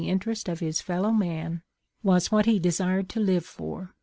525 interest of his fellow man, was what he desired to live for.